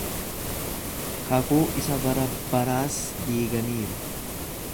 Kakuu isa barabbaraas diiganiiru.